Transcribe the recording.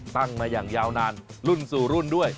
ตั้งมาอย่างยาวนานรุ่นสู่รุ่นด้วย